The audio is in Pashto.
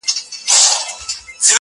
ټول زامن يې ښايسته لكه گلان وه٫